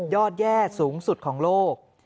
แย่สูงสุดของโลก